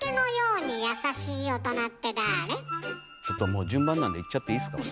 もう順番なんでいっちゃっていいっすか？